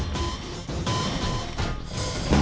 pernah tanya apa